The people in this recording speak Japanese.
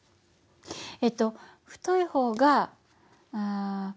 えっと太い方が速くて。